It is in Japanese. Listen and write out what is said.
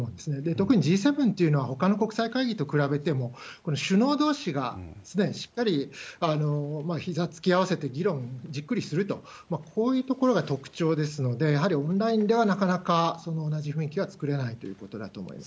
特にＧ７っていうのはほかの国際会議と比べても、首脳どうしがすでにしっかり膝つき合わせて議論をじっくりすると、こういうところが特徴ですので、やはりやはりオンラインではなかなか同じ雰囲気は作れないということだと思います。